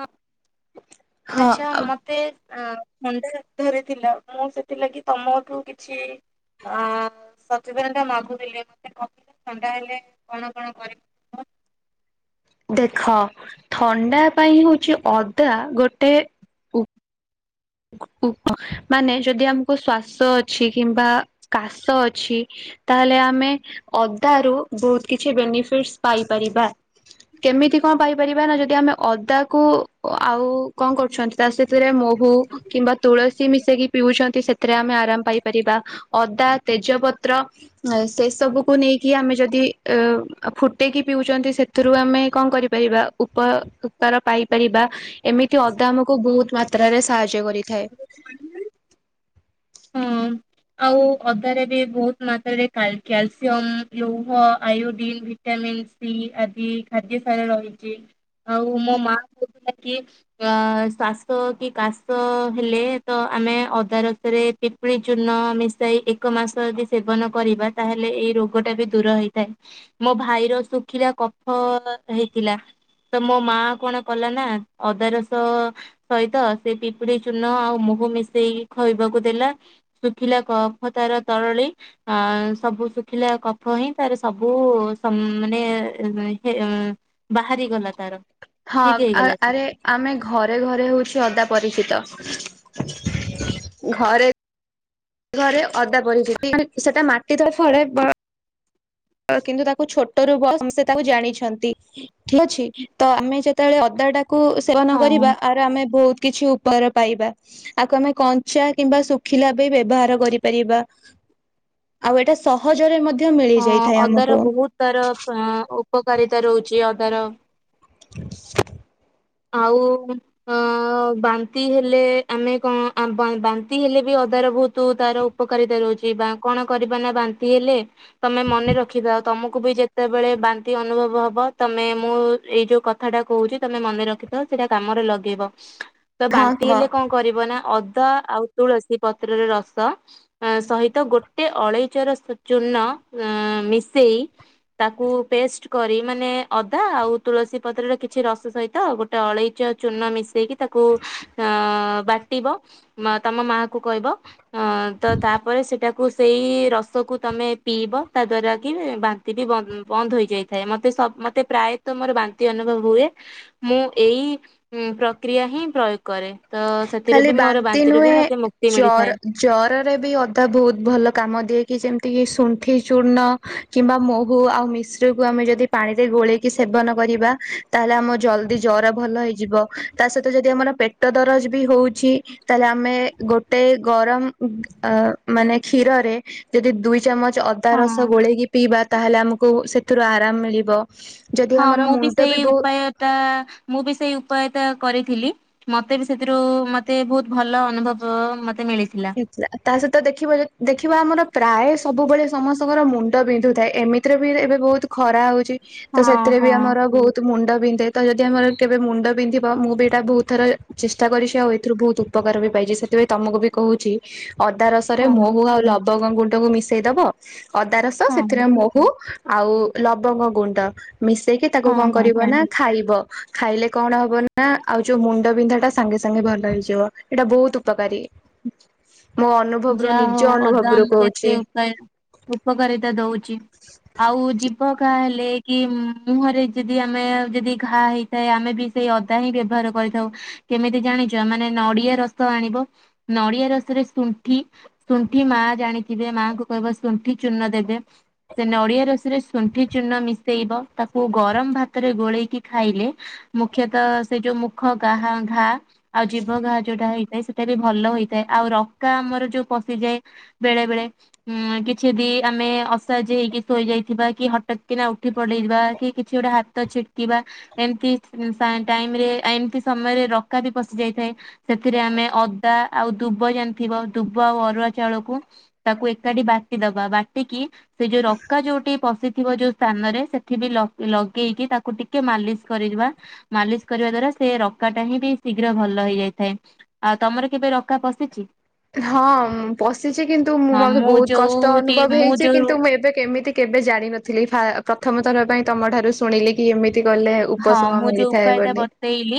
ହଁ। ହଁ ଆଛା ଆଉ ମତେ ଅ ଥଣ୍ଡା ଧରିଥିଲା ମୁଁ ସେଥିଲାଗି ତମଠୁ କିଛି ଅ ସଚେତନତା ମାଗୁଥିଲେ ମତେ କହିଲେ ଥଣ୍ଡା ହେଲେ କଣ କଣ କରିବ? ଦେଖ ଥଣ୍ଡା ପାଇଁ ହଉଛି ଅଦା ଗୋଟେ ହ ମାନେ ଯଦି ଆମକୁ ଶ୍ଵାସ ଅଛି କିମ୍ବା କାଶ ଅଛି ତାହେଲେ ଆମେ ଅଦ ରୁ ବହୁତ କିଛି ବେନିଫିଟ ପାଇପାରିବା କେମିତି କଣ ପାଇପାରିବା ନା ଯଦି ଆମେ ଅଦା କ ଆଉ କଣ କରୁଛନ୍ତି ତା ସେଥିରେ ମହୁ କିମ୍ବା ତୁଳସୀ ମିଶେଇକି ପିଉଛନ୍ତି ସେଥିରେ ଆମେ ଆରାମ ପାଇପାରିବା ଅଦା ତେଜପତ୍ର ସେ ସବୁକୁ ନେଇକି ଆମେ ଯଦି ଫୁଟେଇକି ପିଉଛନ୍ତି ସେଥିରୁ ଆମେ କଣ କରିପାରିବା ଉପକାର ପାଇପାରିବା ଏମିତି ଅଦା ଆମକୁ ବହୁତ ମାତ୍ରାରେ ସାହାଯ୍ୟ କରି ବି ଥାଏ। ହଁ। ଆଉ ଅଦ ବି ବହୁତ ମାତ୍ରାରେ କ୍ୟାଲସିୟମ ଲୌହ ଆୟୋଡିନ ଭିଟାମିନ୍ ସି ଆଦି ଖାଦ୍ୟ ସାର ରହିଛି ଆଉ ମୋ ମା କହୁଥିଲା କି ଅ ଶ୍ଵାସ କି କାଶ ହେଲେ ତ ଆମେ ଅଦା ରସରେ ପିପୁଡିଛୁ ଚୂନ ମିଶାଇ ଏକ ମାସ ଯଦି ସେବନ କରିବା ତାହେଲେ ଏଇ ରୋଗ ଟା ବି ଦୂର ହେଇଥାଏ ମୋ ଭାଇର ଶୁଖିଲା କଫ ହେଇଥିଲା ତ ମୋ ମା କଣ କଲା ନା ଅଦା ରସ ସହିତ ସେ ପିପୁଡି ଚୂନ ଆଉ ମୁହୁ ମିଶେଇି ଖୁଆବାକୁ ଦେଲା ଶୁଖିଲା କଫ ତାର ତରଳି ଆ ସବୁ ଶୁଖିଲା କଫ ହିଁ ତାର ସବୁ ମାନେ ବାହାରିଗଲା ତାର ହଁ ଠିକ ଆ ହେଇଗଲା। ଆରେ ଆମେ ଘରେ ଘରେ ହଉଛ ଅଦା ପରିଚିତ ଘରେ ଘରେ ଅଦା ପରି ସେଟା ମାଟି ତ ଫଳେ ବା କିନ୍ତୁ ତାକୁ ଛୋଟରୁ ବସ ସେ ତାକୁ ଜାଣିଛନ୍ତି ଠିକ ଅଛି ତ ଆମେ ଯେତେବେଳେ ଅଦାଟା କୁ ସେବନ ହଁ କରିବା ଆ ଆମେ ବହୁତ କିଛି ଉପର ପାଇବା ଆକୁ ଆମେ କଞ୍ଚା କିମ୍ବା ଶୁଖିଲା ବି ବ୍ୟବହାର କରିପାରିବା ଆଉ ଏଇଟା ସହଜରେ ମଧ୍ୟ ହଁ ମିଳିଯାଇ ଅଦାର ବହୁତ ତାର ଉପକାରିତା ରହୁଛି ଯ ଅଧାର ଆଉ ଅ ବାନ୍ତି ହେଲେ ଆମେ କଣ ବାନ୍ତି ହେଲେ ବି ଅଦାର ବହୁତ ତାର ଉପକାରିତା ରହୁଛି କଣ କରିବା ନା ବାନ୍ତି ହେଲେ ତମେ ମନେ ରଖିବା ଆଉ ତମକୁ କୁ ବି ଯେତେବେଳେ ବାନ୍ତି ଅନୁଭବ ହବ ତମେ ମୁଁ ଏଇ ଯୋଉ କଥାଟା କହୁଛି ତମେ ମନେ ରଖ ତ ସେଇଟା କାମରେ ଲଗେଇବ ତ ହଁ ବାନ୍ତି କୁହ। ହେଲେ କଣ କରିବ ନା ଅ ଅଦା ଆଉ ତୁଳସୀ ପତ୍ରରେ ରସ ସହିତ ଗୋଟେ ଅଳେଇଚର ଚୂର୍ଣ ମିଶେଇ ତାକୁ ପେଷ୍ଟ କରି ମାନେ ଅଦା ଆଉ ତୁଳସୀ ପତ୍ରରେ କିଛି ରସ ସହିତ ଗୋ ଟଳେଇଚ ଆଉ ଚୂନ ମିଶେଇକି ତାକୁ ଅ ବାଟିବ ତମ ମା କ କହିବ ହଁ ତ ତାପରେ ସେଇଟା କୁ ସେଇ ରସକୁ ତମେ ପିଇବ ତା ଦଵାରାକ ବାନ୍ତି ବିନ୍ଦ ବନ୍ଦ ହୋଇଯାଇଥାଏ ମୋତେ ସ ମୋତେ ପ୍ରାୟତଃ ମୋର ବାନ୍ତି ଅନୁଭବ ହୁଏ ମୁଁ ଉଁ ପ୍ରକ୍ରିୟା ହିଁ ପ୍ରୟୋଗ କରେ ତ ସେଥିରୁ ଖାଲି ବି ମୋର ବାନ୍ତି ବାନ୍ତିରୁ ବି ନୁହେଁ ମତେ ମୁକ୍ତି ମିଳିଥାଏ। ଜର ଜରରେ ବି ଅଧା ବହୁତ ଭଲ କାମ ଦିଏକି ଯେମତି ଶୁଣ୍ଠି ଚୂର୍ଣ୍ଣ କିମ୍ବା ମହୁ ଆଉ ମିଶ୍ରକୁ ଆମେ ଯଦି ପାଣିରେ ଗୋଳେଇକି ସେବନ କରିବା ତାହେଲେ ଆମ ଜଲଦି ଜର ଭଲ ହେଇଯିବ ତା ସହିତ ଯଦି ଆମର ପେଟ ଦର ହଛିଲେ ଆମେ ଗୋଟେ ଗରମ ମାନେ କ୍ୀରରେ ଯଦି ଦୁ ଚଚ ଅଦା ରସ ହଁ। ଗୋଳେଇକି ପିଇବା ତାହେଲେ ଆମକୁ ସେଥିରୁ ଆରାମ ମିଳିବ ଯଦି ହଁ ଆମର ମୁଁ ବି ମୁଣ୍ଡ ସେଇ ବହୁ ଉପାୟ ଟା ମୁଁ ବି ସେଇ ଉପାୟ ଟା କରିଥିଲି ମତେ ବି ସେଥିରୁ ମତେ ବହୁତ ଭଲ ଅନୁଭବ ମତେ ମିଳିଥିଲା। ହେଇଥିଲା ତା ସହିତ ଦେଖିବ ଦେଖିବା ଆମର ପ୍ରାୟ ସବୁବେଳେ ସମସ୍ତଙ୍କର ମୁଣ୍ଡ ବିନ୍ଧୁଥାଏ ଏମିତିରେ ବି ଏବେ ବହୁତ ଖରା ହଉଛି ହଁ ତ ସେଥିରେ ବି ହଁ ଆମର ବହୁତ ମୁଣ୍ଡ ବିନ୍ଧେ ତ ଯଦି ଆମର କେବେ ମୁଣ୍ଡ ବିନ୍ଧିବ ମୁଁ ବି ଏଇଟା ବହୁତ ଥର ଚେଷ୍ଟା କରିଛି ଆଉ ଏଇଥିରୁ ବହୁତ ଉପକାର ବି ପାଇଛି ସେଥିପାଇଁ ତମକୁ ବି କହୁଛି ଅଦା ରସରେ ହଁ ମହୁ ଆଉ ଲ ବଗ ଗୁଣ୍ଟକୁ ମିଶେଇ ଦବ ଅଦା ରସ ହଁ ସେଥିରେ ମହୁ ଆଉ ଲବଙ୍ଗ ଗୁଣ୍ଡ ମିଶେଇକି ତାକୁ ହଁ କଣ ହଁ କରିବ ଯା ନା ଖାଇବ ଖାଇଲେ କଣ ହବ ନା ଆଉ ଯୋଉ ମୁଣ୍ଡ ବିନ୍ଧା ଟା ସାଙ୍ଗେ ସାଙ୍ଗେ ଭଲ ହେଇଯିବ ଏଇଟା ବହୁତ ଉପକାରୀ ଆଚଛା ଯାହା ହଉ ଅଦା ଆମକୁ କହୁଛି। ଏତେ ଉପାୟ ଉପକାରିତା ଦଉଛି ଆଉ ଯ ଗ ଘା ହେଲେ କି ମୁହଁରେ ଯଦି ଆମେ ଯଦି ଘା ହେଇଥାଏ ଆମେ ବି ସେଇ ଅଦା ହିଁ ବ୍ୟବହାର କରିଥାଉ। କେମିତି ଜାଣିଛ ମାନେ ନଡିଆ ରସ ଆଣିବ ନଡିଆ ରସରେ ଣ୍ଠି ଶୁଣ୍ଠି ମା ଜାଣିଥିବେ ମାଆଙ୍କୁ କହିବ ଶୁଣ୍ଠି ଚୂର୍ଣ ଦେବେ ସେ ନଡ଼ିଆ ରସିିରେ ଶୁଣ୍ଠି ଚୂର୍ଣ୍ଣ ମିଶେଇବ ତାକୁ ଗରମ ଭାତରେ ଗୋଳେଇକି ଖାଇଲେ ମୁଖ୍ୟତଃ ସେ ଯୋଉ ମୁଖା ଘା ଆଉ ଜୀବା ଯୋଉଟା ହେଇଛି। ସେତେ ବି ଭଲ ହେଇଥାଏ ଆଉ ର ରକା ଆମର ଯୋଉ ପଶିଯାଏ ବେଳେ ବେଳେ ଉ କିଛି ବି ଆମେ ଅସହାଯ୍ୟ ହେଇକି ଶୋଇଯାଇଥିବା କି ହଟତ୍ କିନା ଉଠି ପଡେଇଯିବା କି କିଛି ଗୋଟେ ହାତ ଛିଟକିବା ଏମିତି ଟାଇମ ରେ ଏମିତି ସମୟରେ ରକା ବି ପଶି ଯାଇଥାଏ ସେଥିରେ ଆମେ ଅଦା ଆଉ ଦୁବ ଥିବ ଦୁବ ଆଉ ଅରୁଆ ଚାଉଳକୁ ତାକୁ ଏକାଠି ବାଟି ଦବା ବାଟିକି ସେ ଯୋଉ ରକା ଯୋଉଠି ପଶିଥିବ ଯୋଉ ସ୍ଥାନରେ ସେଠି ବି ଲଗେଇକି ତାକୁ ଟିକେ ମାଲିସ କରି ମାଲିସ କରିବା ଦ୍ଵାରା ସେ ରକା ଟା ହିଁ ବି ଶୀଘ୍ର ଭଲ ହେଇଯାଇଥାଏ ଆଉ ତମର କେବେ ରକା ପଶିଛି। ହଁ ମୁଁ ପଶିଛି କିନ୍ତୁ ମୁଁ ହଁ ମୋତେ ବହୁତ କଷ୍ଟ ଯୋଉଟି ଅନୁଭବ ମୁଁ ହେଇଛି ଯୋଉ କିନ୍ତୁ ମୁଁ ଏବେ କେମିତି କେବେ ଜାଣିନଥିଲି ପ୍ରଥମେ ପାଇଁ ତମଠାରୁ ଶୁଣିଲି କି ଏମିତି କଲେ ହଁ ଉପଶମ ମୁଁ ଯୋଉ ମିଳିଥାଏ ଉପାୟ ଟା ବୋଲି। ବତେଇଲି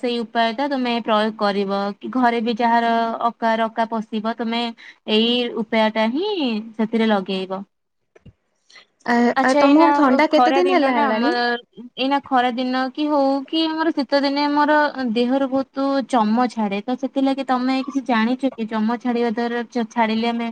ସେଇ ଉପାୟ ଟା ତମେ ପ୍ରୟୋଗ କରିବ କି ଘରେ ବି ଯାହାର ଅକାରକା ପଶିବ ତମେ ଏଇ ଉପାୟ ଟା ହିଁ ସେଥିରେ ଲଗେଇବ ଆ ଆ ଆଚ୍ଛା ଏଇନା ତମକୁ ଥଣ୍ଡା ଖରା କେତେ ଦିନ ହେଲା ନା ହେଲାଣି। ଆମର ଏଇନା ଖରା ଦିନ କି ହଉ କି ମୋର ଶୀତ ଦିନେ ମୋର ଦେହରୁ ବହୁତ ଚମ ଛାଡେ ତ ସେଥିଲାଗି ତମେ କିଛି ଜାଣିଛ କି ଚମ ଛାଡିବା ଦ୍ଵାରା ଛାଡିଲେ ଆମେ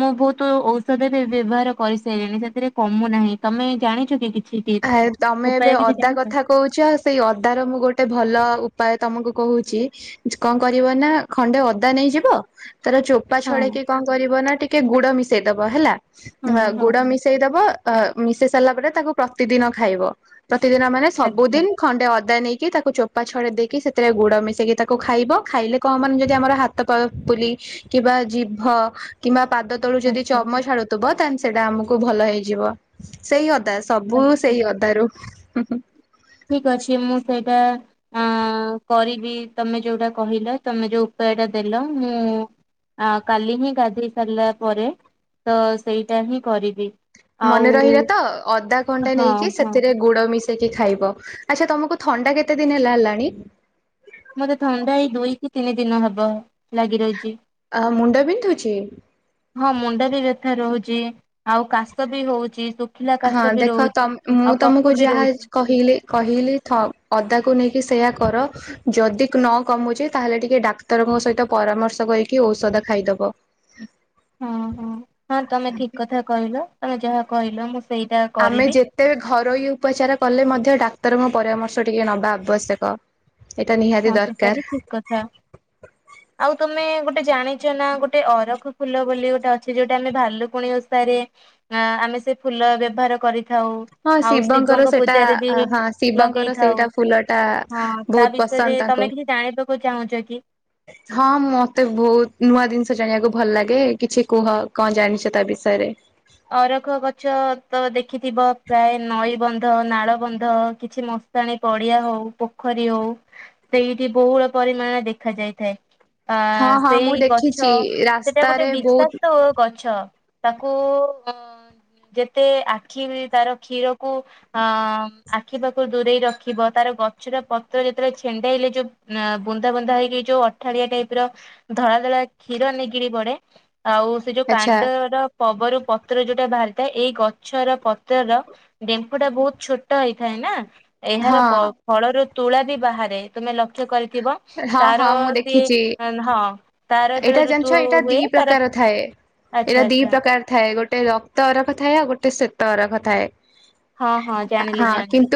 ମୁଁ ବହୁତ ଔଷଧ ବି ବ୍ୟବହାର କରିସାରିଲିଣି ସେଥିରେ କମୁନାହିଁ ତମେ ଜାଣିଛ କି କି ଆ ତମେ ଏବେ ଅଦା କଥା କହୁଛି ଆଉ ସେଇ ଅଦ ର ମୁଁ ଗୋଟେ ଭଲ ଉପାୟ ତମକୁ କହୁଛି କଣ କରିବ ନା ଖଣ୍ଡେ ଅଦା ନେଇଯିବ। ତାର ଚୋପା ହଁ ଛଡେଇକି କଣ କରିବ ନା ଟିକେ ଟେ ଗୁଡ ମିଶେଇ ଦବ ହେଲା। ହ ହଁ ହଁ। ଗୁଡ ମିଶେଇ ଦବ। ଅ ମିଶି ସାରିଲା ପରେ ତାକୁ ପ୍ରତିଦିନ ଖାଇବ। ପ୍ରତିଦିନ ମାନେ ଆଚ୍ଛା ସବୁଦିନ ଖଣ୍ଡେ ଅଦା ନେଇକି କି ତାକୁ ଚୋପା ଛଡ ଦେଇକି ସେଥିରେ ଗୁଡ ମିଶେଇକି ତାକୁ ଖାଇବ। ଖାଇଲେ କଣ ମାନ ଯଦି ଆମର ହାତପୁଲି କିବା ଜିଭ କିମ୍ବା ପାଦ ତଳୁ ଯଦି ଆଚ୍ଛା ଚମ ଛଡୁଥିବ ତା ସେଇଟା ଆମକୁ ଭଲ ହେଇଯିବ। ସେଇ ହଦାସ ସବୁ ଆଚ୍ଛା। ସେଇ ଅଦାରୁ। ହୁଁ ହୁଁ। ଠିକ ଅଛି ମୁଁ ସେଇଟା ଅ କରିବି ତମେ ଯୋଉଟା କହିଲ ତମେ ଯୋଉ ଉପାୟ ଟା ଦେଲ ମୁଁ କାଲି ହିଁ ଗାଧୋଇ ସାରିଲା ପରେ ତ ସେଇଟା ହିଁ କରିବି। ଆଉ ମନେ ରହିଲା ତ ଅଧା ଖଣ୍ଟେ ହଁ ନେଇକି ହଁ ସେଥିରେ ଗୁଡ ମିଶ କି ଖାଇବ ଆଚ୍ଛା ତମକୁ ଥଣ୍ଡା କେତେ ଦିନ ହେଲା ହେଲାଣି ମୋତେ ଥଣ୍ଡା ଏଇ ଦୁଇ କି ତିନି ଦିନ ହବ। ଲାଗି ରହିଛି ଅ ମୁଣ୍ଡ ବିନ୍ଧୁଛି। ହଁ ମୁଣ୍ଡ ବି ବ୍ୟଥା ରହୁଛି ଆଉ କାଶ ବି ହଉଛି। ଶୁଖିଲା ହଁ କାଶ ବି ଦେଖ ତ ରହୁଛି ମୁଁ ଆଉ ତମକୁ କଫ ବି ଯାହା ରହୁଛି କହିଲି କହିଲି ଅଦାକୁ ନେଇକି ସେଇ କର ଯଦି ନ କମୁଛି ତାହେଲେ ଟିକେ ଡାକ୍ତରଙ୍କ ସହିତ ପରାମର୍ଶ କରିକି ଔଷଧ ଖାଇଦବ। ହଁ ହଁ ହଁ ତମେ ଠିକ କଥା କହିଲ। ତମେ ଯାହା କହିଲ ମୁଁ ସେଇଟା ଆମେ କରିବି ଯେତେ ଘରୋଇ ଉପଚାର କଲେ ମଧ୍ୟ ଡା ତର ମୁଁ ପରାମର୍ଶ ଟିକେ ନବା ଆବଶ୍ୟକ। ଏଇଟା ନିହାତି ହଁ ସେଟା ଦରକାର। ବି ଠିକ କଥା। ଆଉ ତମେ ଗୋଟେ ଗୋଟେ ଜାଣିଛ ନା ଗୋଟେ ଅରଖ ଫୁଲ ବୋଲି ଗୋଟେ ଅଛି ଯୋଉଟା ଆମେ ଭାଲୁକୁଣି ଓଷାରେ ଅ ଆମେ ସେ ଫୁଲ ବ୍ୟବହାର କରି ହଁ ଶିବଙ୍କର ସେଟା ବି ହଁ ଶିବଙ୍କର ଲଗେଇଥାଉ ସେଇଟା ଫୁଲ ଟା ହଁ ତା ବହୁତ ବିଷୟରେ ପସନ୍ଦ। ତାଙ୍କୁ ତମେ କିଛି ଜାଣିବାକୁ ଚାହୁଁଛ କି? ହଁ ମତେ ବହୁତ ନୂଆ ଜିନିଷ ଜାଣିବାକୁ ଭଲ ଲାଗେ କିଛି କୁହ କଣ ଜାଣିଛ ତା ବିଷୟରେ। ଅରଖ ଗଛ ତ ଦେଖ ଦେଖିଥିବ ପ୍ରାୟ ନଈ ବନ୍ଧ, ନାଳ ବନ୍ଧ କିଛି ମଶାଣିୀ ପଡିଆ ହଉ ପୋଖରୀ ହଉ ସେଇଠି ବହୁଳ ପରିମାଣରେ ଦେଖା ଯାଇଥାଏ। ହଁ ଆଁ ହଁ ମୁଁ ସେଇ ଦେଖିଛି ଗଛ। ସେଟା ଗୋଟେ ରାସ୍ତାରେ ବହୁତ ବିଶ୍ଵାକ୍ତ ଗଛ। ତାକୁ ଅ ଯେତେ ଆଖି ତାର କ୍ଷୀରକୁ ଅ ଆଖି ପାଖରୁ ଦୂରେଇ ରଖିବ ତାର ଗଛର ପତ୍ର ଯେତେବେଳେ ଛେଣ୍ଡେଇଲେ ଯୋଉ ବୁନ୍ଦା ବୁନ୍ଦା ହେଇକି ଯୋଉ ଅଠାଳିଆ ଟାଇପ ର ଧଳା ଧଳା କ୍ଷୀର ନିଗିରି ପଡେ ଆଉ ସେ ଯୋଉ ଆଚ୍ଛା କାଣ୍ଡ ର ପବରୁ ପତ ପତ୍ର ଯୋଉଟା ବାହାରିଥାଏ ଏଇ ଗଛର ପତ୍ରର ଡେମ୍ଫୁ ଟା ବହୁତ ଛୋଟ ହେଇଥାଏ ନା ଏହାର ହଁ। ପ ଫଳରୁ ତୁଳା ବି ବାହାରେ ତୁମେ ଲକ୍ଷ୍ୟ କରି ହଁ ହଁ ମୁଁ ଦେଖିଛି। ହଁ ତାର ଯେତେବେଳେ ଏଇଟା ଋତୁ ଜାଣିଛ ଏଇଟା ହୁଏ ଦି ତାର ପ୍ରକାର ଥାଏ। ଆଚ୍ଛା ଏଇଟା ଦି ଆଚ୍ଛା ପ୍ରକାର ଥାଏ । ଗୋଟେ ରକ୍ତ ଅରଖ ଥାଏ ଆଉ ଗୋଟେ ଶ୍ଵେତ ଅରଖ ଥାଏ। ହଁ, ହଁ ଜାଣିଲି, ଜାଣିଲି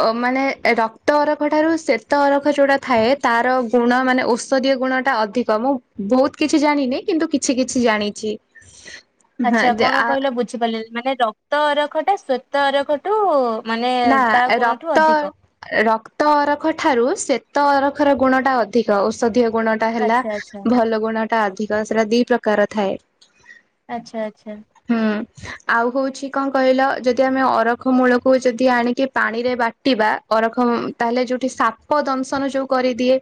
ଓମାନେ ରକ୍ତ ଅରଖ ଠାରୁ ଶ୍ଵେତ ଅରଖ ଯେଉଁଟା ଥାଏ ତାର ଗୁଣ ମାନେ ଔଷଧୀୟ ଗୁଣ ଟା ଅଧିକ ମୁଁ ବହୁତ କିଛି ଜାଣିନି କିନ୍ତୁ କିଛି କିଛି ଜାଣିଛି ହଁ ଆଚ୍ଛା ଯେ କଣ ଆ କହିଲ ବୁଝିପାରିଲି ମାନେ ରକ୍ତ ଅରଖ ଟା ସ୍ୱେତ ଅରଖ ଠୁ ନା ରକ୍ତ, ରକ୍ତ ଅରଖ ଠାରୁ ସେ ତ ଅରଖର ଗୁଣ ଟା ଅଧିକ ଓଷଧିଅ ଗୁଣ ଟା ହେଲା ଆଚ୍ଛା ଆଚ୍ଛା ଭଲ ଗୁଣ ଟା ଅଧିକ। ତ ସେଟା ଦି ପ୍ରକାର ଥାଏ। ଆଛା ଆଚ୍ଛା ହୁଁ ଆଉ ହଉଛି କଣ କହିଲ ଯଦି ଆମେ ଅରଖ ମୂଳକୁ ଯଦି ଆଣିକି ପାଣି ରେ ବାଟିବା ଅରଖ ତାହେଲେ ଯୋଉଠି ସାପ ଦଂଶନ ଯୋଉ କରିଦିଏ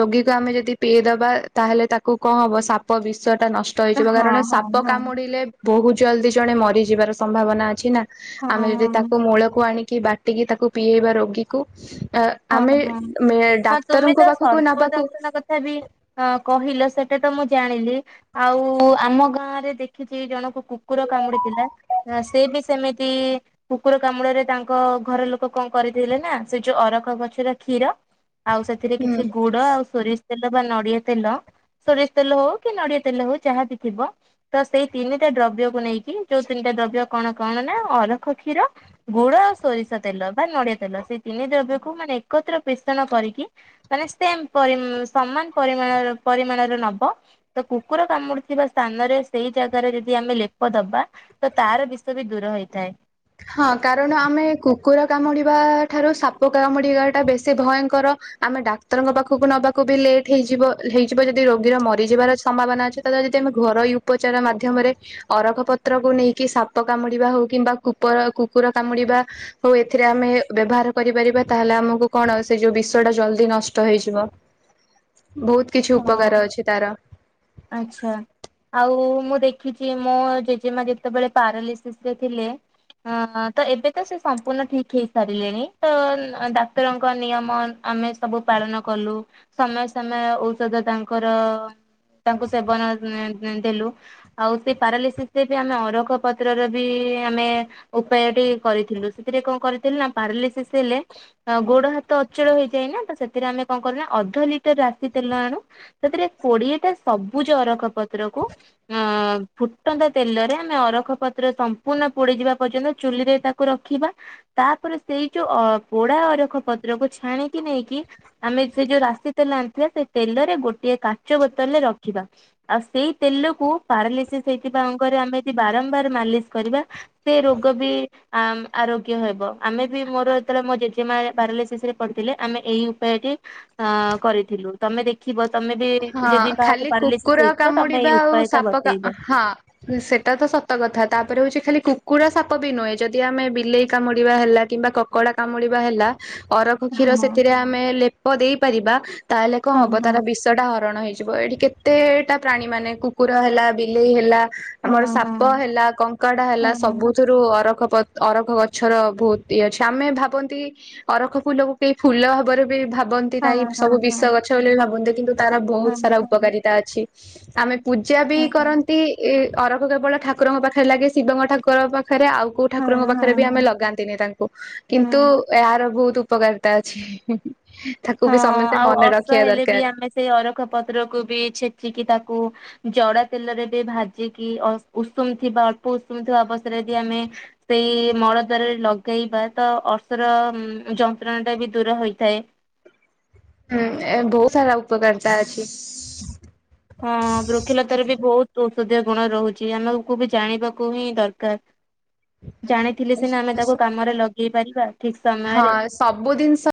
ରୋଗୀକୁ ଆମେ ଯଦି ପିଏଇ ଦବା ତାହେଲେ ତାକୁ କଣ ହବ ସାପ ବିଷ ନଷ୍ଟ ହେଇଯିବ ହଁ କାରଣ ହଁ ସାପ ହଁ କାମୁଡିଲେ ବହୁତ ଜଲଦି ଜଣେ ମରିଯିବାର ସମ୍ଭାବନା ଅଛି ନା। ହଁ ଆମେ ହଁ ଯଦି ତାକୁ ମୂଳକୁ ଆଣି କି ବାଟିକି ତାକୁ ପିଏଇବା ରୋଗୀକୁ ହଁ ଆମେ ହଁ ହଁ ତୁମେ ଡାକ୍ତରଙ୍କ ତ ପାଖକୁ ସର୍ପ ନବାକୁ ଦଂଶନ କଥା ବି ଅ କହିଲ ସେଠ୍ ସେଟା ତ ମୁଁ ଜାଣିଲି ଆଉ ଆମ ଗାଁ ରେ ଦେଖିଛି ଜଣକୁ କୁକୁର କାମୁଡିଥିଲା ସେ ବି ସେମିତି କୁକୁର କାମୁଡାରେ ତାଙ୍କ ଘର ଲୋକ କଣ କରିଥିଲେ ନା ସେ ଯୋଉ ଅରଖ୍ ଖ ଗଛର କ୍ଷୀର ଆଉ ସେଥିରେ ହୁଁ କିଛି ଗୁଡ ଆଉ ସୋରିସ୍ ତେଲ ବା ନଡିଆ ତେଲ ସୋରିଷ ତେଲ ହଉ କି ନଡିଆ ତେଲ ହଉ ଯାହା ବିି ଥିବ ତ ସେଇ ତିନିଟା ଦ୍ରବ୍ୟକୁ ନେଇକି ଯୋଉ ତିନିଟା ଦ୍ରବ୍ୟ କଣ କଣ ନା ଅରଖ କ୍ଷୀର ଗୁଡ ଆଉ ସୋରିଷ ତେଲ ବା ନଡିଆ ତେଲ ସେଇ ତିନି ଦ୍ରବ୍ୟକୁ କୁ ମାନେ ଏକତ୍ର ପେଷଣ କରିକି ମାନେ ସେମ୍ ପରିମ୍ ସମାନ ପରିମାଣର ପରିମାଣର ନବ ତ କୁକୁର କାମୁଡିୁଥିବା ସ୍ଥାନରେ ସେଇ ଜାଗାରେ ଯଦି ଆମେ ଲେପ ଦବା ତ ତାର ବିଷ ବି ଦୂର ହେଇଥାଏ। ହଁ କାରଣ ଆମେ କୁକୁର କାମୁଡିବା ଠାରୁ ସାପ କାମୁଡିବା ଟା ବେଶୀ ଭୟଙ୍କର ଆମେ ଡାକ୍ତରଙ୍କ ପାଖକୁ ନବାକୁ ବି ଲେଟ୍ ହେଇଯିବ ହେଇଯିବ ଯଦି ରୋଗୀର ମରିଯିବାର ସମ୍ଭାବନା ଅଛି ତ ଯଦି ଆମେ ଘରୋଇ ଉପଚାର ମାଧ୍ୟମରେ ଅରଖ ପତ୍ରକୁ ନେଇକି ସାପ କାମୁଡିବା ହଉ କିମ୍ବା କୁକ୍ ର କୁକୁର କାମୁଡିବା ହଉ ଏଥିରେ ଆମେ ବ୍ୟବହାର କରିପାରିବା ତାହେଲେ ଆମକୁ କଣ ସେ ଯୋଉ ବିଷ ଟା ଜଲଦି ନଷ୍ଟ ହେଇଯିବ। ବହୁତ୍ କିଛି ହଁ। ଉପକାର ଅଛି ତାର। ଆଚ୍ଛା। ଆଉ ମୁଁ ଦେଖିଛି ମୋ ଜେଜେମା ଯେତେବେଳେ ପାରାଲିସିସ୍ ରେ ଥିଲେ ଅ ତ ଏବେ ତ ସେ ସମ୍ପୂର୍ଣ୍ଣ ଠିକ ହେଇ ସାରିଲେଣି ତ ଡାକ୍ତରଙ୍କ ନିୟମ ଆମେ ସବୁ ପାଳନ କଲୁ ସମୟ ସମୟ ଔଷଧ ତାଙ୍କର ତାଙ୍କୁ ସେବନ ନ ଦେଲୁ ଆଉ ସେ ପାରାଲିସିସ ରେ ବି ଆମେ ଅରଖ ପତ୍ରର ବି ଆମେ ଉପାୟଟି କରିଥିଲୁ ସେଥିରେ କଣ କରିଥିଲୁ ନା ପାରାଲିସିସ୍ ହେଲେ ଗୋଡ ହାତ ଅଚଳ ହେଇଯାଇଏନା ତ ସେଥିରେ ଆମେ କଣ କରୁନା ଅଧ ଲିଟର ରାଶି ତେଲ ଆଣୁ ସେଥିରେ କୋଡିଏଟା ସବୁଜ ଅରଖ ପତ୍ରକୁ ଅଁ ଫୁଟନ୍ତା ତେଲରେ ଆମେ ଅରଖ ପତ୍ର ସମ୍ପୂର୍ଣ୍ଣ ପୋଡିଯିବା ପର୍ଯ୍ୟନ୍ତ ଚୁଲିରେ ତାକୁ ରଖିବା ତାପରେ ସେଇ ଯୋଉ ପୋଡା ଅରଖ ପତ୍ରକୁ ଛାଣିକି ନେଇକି ଆମେ ସେ ଯୋଉ ରାଶି ତେଲ ଆଣିଥିବା ସେ ତେଲରେ ଗୋଟିଏ କାଚ ବୋତଲରେ ରଖ୍ ଖିବା ଆଉ ସେଇ ତେଲକୁ ପାରାଲିସିସ୍ ହେଇଥିବା ଅଙ୍ଗରେ ଆମେ ଯଦି ବାରମ୍ବାର ମାଲିସ୍ କରିବା ସେ ରୋଗ ବି ଆଁ ଆରୋଗ୍ୟ ହେବ । ଆମେ ବି ମୋର ଯେତେବେଳେ ମୋ ଜେଜେମା ପାରାଲିସିସ୍ ରେ ପଡିଥିଲେ ଆମେ ଏଇ ଉପାୟଟି ଆଁ କରିଥିଲୁ ତମେ ଦେଖିବ। ତମେ ବି ହଁ ଯଦି କାହାକୁ ଖାଲି ପାରାଲିସିସ୍ କୁକୁର ହେଇଥିବ ତମେ ଏଇ କାମୁଡିବା ଆଉ ଉପାୟଟା ସାପ କାମ୍ ବତେଇବ। ହଁ ସେଇଟା ତ ସତ କଥା ତାପରେ ହଉଛି ଖାଲି କୁକୁର ସାପ ବି ନୁହେଁ ଯଦି ଆମେ ବିଲେଇ କାମୁଡ଼ିବା ହେଲା କିମ୍ବା କକଡ଼ା କାମୁଡ଼ିବା ହେଲା ଅରଖ କ୍ଷୀର ହଁ ସେଥିରେ ଆମେ ଲେପ୍ ହଁ ଦେଇପାରିବା। ତାହେଲେ କଣ ହଁ ହବ ହଁ ତାର ବିଷଟା ହ ରଣ ହେଇଯିବ ଏଠି କେତେଟା ପ୍ରାଣୀ ମାନେ କୁକୁର ହେଲା ବିଲେଇ ହେଲା ଆମର ସାପ ହଁ। ହେଲା କଙ୍କଡା ହେଲା ହଁ ହଁ ସବୁଥୁରୁ ଅରଖ ପତ୍ ଅରଖ ଗଛର ବହୁତ ଇଏ ଅଛି ଆମେ ଭାବନ୍ତି ଅରଖ ଫୁଲକୁ କେହି ଫୁଲ ଭବରେ ବି ଭାବ୍ ଭାବନ୍ତି ନାଇଁ ହଁ ହଁ ସବୁ ବିଷ ଗଛ ବୋଲି ବି ଭାବନ୍ତି। କିନ୍ତୁ ତାର ବହୁତ ହଁ ହଁ ସାରା ହଁ ଉପକାରିତା ଅଛି। [inaudible] ପୂଜା ବି ହଁ ହଁ। କରନ୍ତି ଏ ଅରଖ କେବଳ ଠାକୁରଙ୍କ ପାଖରେ ଲାଗେ ଶିବଙ୍କ ଠାକୁର ପାଖେ ପାଖରେ ଆଉ କୋଉ ଠାକୁରଙ୍କ ପାଖରେ ବି ଆମେ ଲଗାନ୍ତିନି ତାଙ୍କୁ ହୁଁ କିନ୍ତୁ ଏହାର ବହୁତ୍ ଉପକାରତା ଅଛି। ତାକୁ ହଁ ବି ସମସ୍ତେ ମନେ ରଖିବା ଦରକାର୍। ଖ ପତ୍ରକୁ ବି ଛେଚିକି ତାକୁ ଜଡା ତେଲରେ ବି ଭାଜିକି ଅ ଉଷୁମ ଥିବା ଅଳ୍ପ ଉଷୁମଥିବା ଅବସ୍ଥାରେ ଯଦି ଆମେ ସେଇ ମଳ ଦ୍ୱାରରେ ଲଗେଇବା ତ ଅର୍ଷର ଯନ୍ତ୍ରଣା ଟା ବି ଦୂର ହୋଇଥାଏ। ହୁଁ, ଏ ବହୁତ୍ ସାରା, ଉପ୍ ଉପକାରିତା, ଅଛି। ହଁ, ବୃକ୍ଷିଲତାର ବି, ବହୁ ଔଷଧୀୟ, ଗୁଣ ରହୁଛି ୲ ଆମକୁ ବି, ଜାଣିବାକୁ ହିଁ ଦରକାର ୲ ଜାଣିଥିଲି ସିନା, ଆମେ ତାକୁ କାମରେ, ଲ ହେଇପାରିବା ୲ ହଁ, ସବୁ ଦିନ୍ସ-